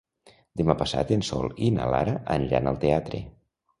Demà passat en Sol i na Lara aniran al teatre.